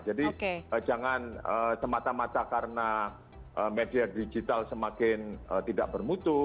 jadi jangan semata mata karena media digital semakin tidak bermutu